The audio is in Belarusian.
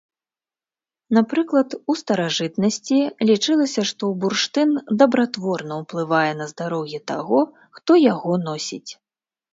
Напрыклад, у старажытнасці лічылася, што бурштын дабратворна ўплывае на здароўе таго, хто яго носіць.